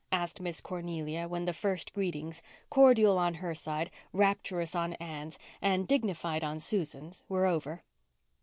asked Miss Cornelia, when the first greetings—cordial on her side, rapturous on Anne's, and dignified on Susan's—were over.